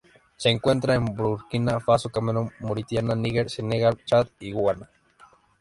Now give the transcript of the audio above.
Se encuentra en Burkina Faso, Camerún, Mauritania, Níger, Senegal, Chad y Ghana.